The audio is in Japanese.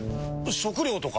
食料とか？